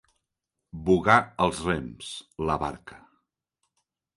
Vogar els rems, la barca.